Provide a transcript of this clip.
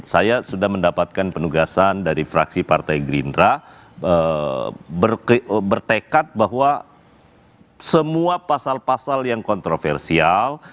saya sudah mendapatkan penugasan dari fraksi partai gerindra bertekad bahwa semua pasal pasal yang kontroversial